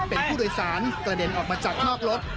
เป็นผู้โดยสารกระเด็นออกมาจากนอกรถ